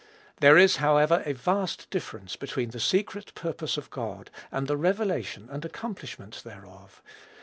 There is, however, a vast difference between the secret purpose of God and the revelation and accomplishment thereof.